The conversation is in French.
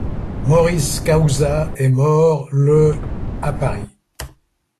Maurice Kaouza est mort le à Paris.